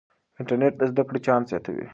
انټرنیټ د زده کړې چانس زیاتوي.